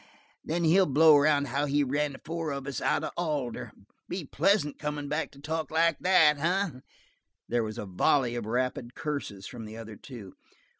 Then he'll blow around how he ran the four of us out of Alder. Be pleasant comin' back to talk like that, eh?" There was a volley of rapid curses from the other two.